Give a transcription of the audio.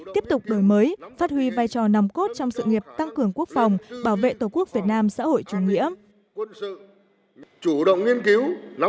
tiếp tục đổi mới phát huy vai trò nằm cốt trong sự nghiệp tăng cường quốc phòng bảo vệ tổ quốc việt nam xã hội chủ nghĩa